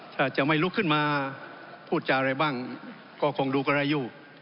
ถ้าจะไม่ลุกขึ้นมาพูดจาอะไรบ้างก็คงดูก็ได้อยู่